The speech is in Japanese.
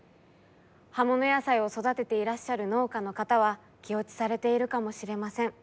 葉物野菜を育てていらっしゃる農家の方は気落ちされているかもしれません。